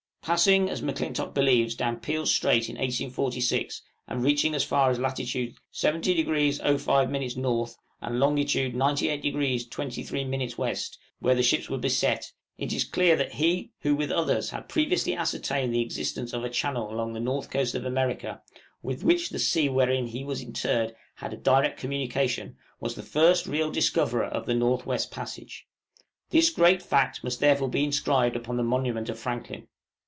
Passing, as M'Clintock believes, down Peel's Strait in 1846, and reaching as far as lat. 70° 05' N., and long. 98° 23' W., where the ships were beset, it is clear that he, who, with others, had previously ascertained the existence of a channel along the north coast of America, with which the sea wherein he was interred had a direct communication, was the first real discoverer of the North West Passage. This great fact must therefore be inscribed upon the monument of Franklin.